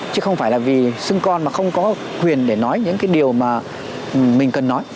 chứ không phải là vì sưng con mà không có quyền để nói những cái điều mà mình cần nói